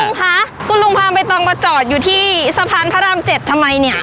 ลุงคะคุณลุงพาใบตองมาจอดอยู่ที่สะพานพระราม๗ทำไมเนี่ย